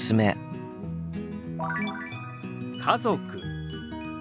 「家族」。